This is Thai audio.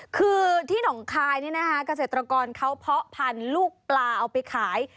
คือที่หนองคายนี่นะคะเกษตรกรเขาเพาะพันธุ์ลูกปลาเอาไปขาย